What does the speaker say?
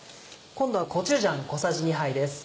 今度はコチュジャン小さじ２杯です。